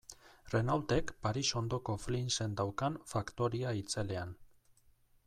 Renaultek Paris ondoko Flinsen daukan faktoria itzelean.